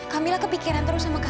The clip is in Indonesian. kamilah kepikiran terus sama kata tuhan